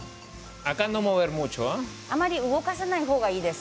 あまり動かさない方がいいです